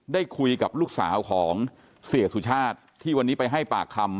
ได้คุยกับลูกสาวของเสียสุชาติที่วันนี้ไปให้ปากคำ